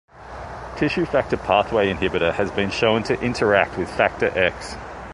Tissue factor pathway inhibitor has been shown to interact with Factor X.